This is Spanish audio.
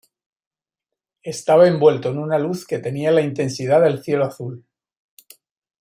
Estaba envuelto en una luz que tenía la intensidad del cielo azul.